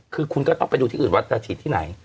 คือคุณก็ต้องไปดูที่อื่นว่าจะฉีดที่ไหน